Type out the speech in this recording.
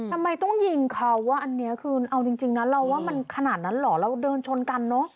ทำไมต้องยิงเขาว่าอันนี้คือเอาจริงนะเราว่ามันขนาดนั้นเหรอเราเดินชนกันเนอะ